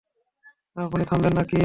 আপনি থামবেন নাকি?